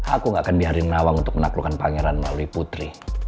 aku gak akan diharing nawang untuk menaklukkan pangeran melalui putri